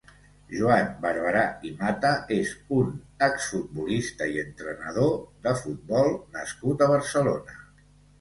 Joan Barbarà i Mata és un exfutbolista i entrenador de futbol nascut a Barcelona.